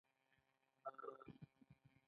موږ بیا د یوې خبرې ادعا نشو کولای.